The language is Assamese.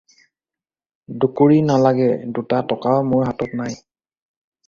দুকুৰি নালাগে দুটা টকাও মোৰ হাতত নাই।